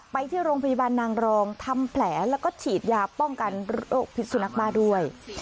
ไปที่โรงพยาบาลนางรองทำแผลแล้วก็ฉีดยาป้องกันโรคพิษสุนักบ้าด้วย